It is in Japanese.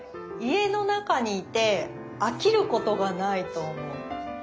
家の中にいて飽きることがないと思う。